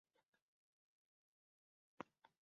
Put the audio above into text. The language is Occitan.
Frairs mèns, era patz de Diu sigue damb vosati.